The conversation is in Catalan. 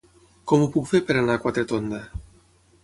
Com ho puc fer per anar a Quatretonda?